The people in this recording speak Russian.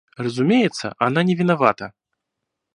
Разумеется, она не виновата.